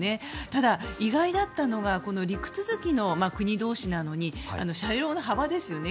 ただ、意外だったのが陸続きの国同士なのに車両の幅ですよね